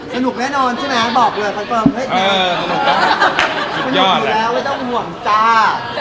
สนุกแน่นอนใช่ไหมบอกเลยค่ะค่ะสนุกแล้วไม่ต้องห่วงจ้า